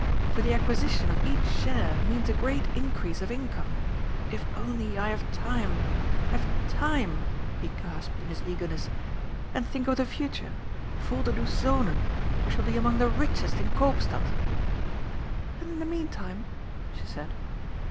For the acquisition of each share means a great increase of income. If only I have time — ^have time " he gasped in his eagerness. '^ And think of the future 1 Volderdoes Zonen I We shall be among the richest in Koopstad !" "And in the meantime?" she said.